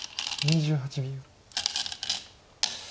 ２８秒。